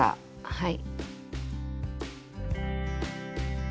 はい。